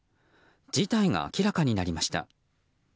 事態が明らかになりました。